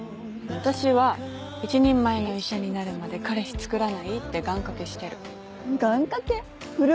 私は一人前の医者になるまで彼氏つくらないって願掛けしてる。